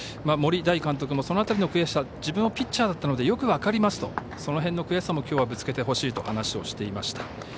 森大監督もその辺りの悔しさは自分がピッチャーだったのでよく分かりますとその辺の悔しさも今日はぶつけてほしいと話をしていました。